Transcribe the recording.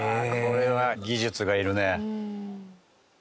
これは技術がいるね。